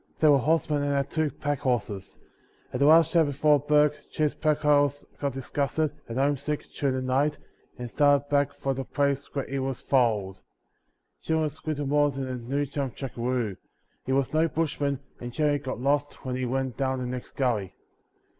They were horsemen and had two packhorses. At the last camp before Bourke Jim’s packhorse got disgusted and home sick during the night and started back for the place where he was foaled. Jim was little more than a new chum jackaroo; he was no bushman and generally got lost when he went down the next gully.